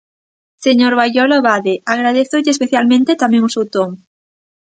Señor Baiolo Abade, agradézolle especialmente tamén o seu ton.